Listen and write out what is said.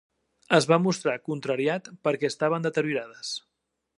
Es va mostrar contrariat perquè estaven deteriorades.